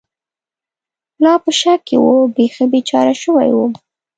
لا په شک کې و، بېخي بېچاره شوی ووم.